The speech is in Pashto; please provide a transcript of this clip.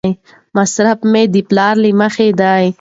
مصرف مې د پلان له مخې دی.